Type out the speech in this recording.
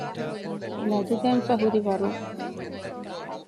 ލަދުގަތްފައި ހުރިވަރުން